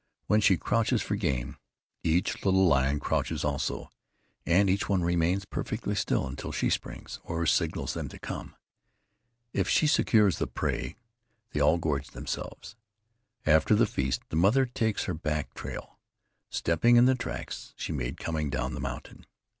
When she crouches for game, each little lion crouches also, and each one remains perfectly still until she springs, or signals them to come. If she secures the prey, they all gorge themselves. After the feast the mother takes her back trail, stepping in the tracks she made coming down the mountain.